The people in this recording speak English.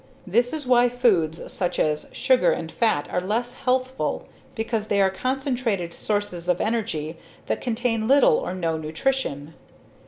This is why foods such as sugar and fat are less healthful because they are concentrated sources of energy that contain little or no nutrition.